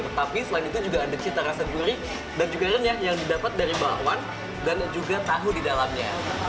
tetapi selain itu juga ada cita rasa gurih dan juga renyah yang didapat dari bakwan dan juga tahu di dalamnya